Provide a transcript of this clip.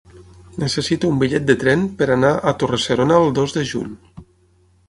Necessito un bitllet de tren per anar a Torre-serona el dos de juny.